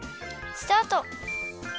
スタート。